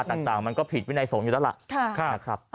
แต่ต่างมันก็ผิดวินัยสมอยู่ด้านหลัก